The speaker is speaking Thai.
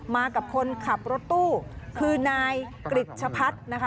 มากับคนขับรถตู้คือนายกริจชะพัฒน์นะคะ